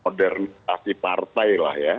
modernisasi partailah ya